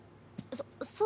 そそう？